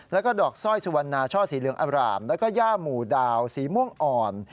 แล้วก็ดอกสร้อยสุวรรณาช่อสีเหลืองอร่ามแล้วก็ย่าหมู่ดาวสีม่วงอ่อน